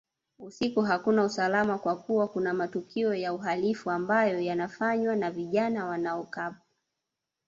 Usiku hakuna usalama kwa kuwa kuna matukio ya uhalifu ambayo yanafanywa na vijana wanaokaba